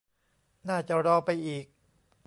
น่าจะรอไปอีก